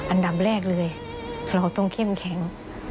อันดับแรกเลยเราต้องเข้มแข็ง